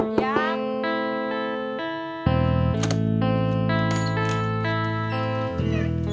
kok udah pulang